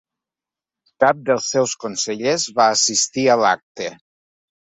Cap dels seus consellers va assistir a l’acte.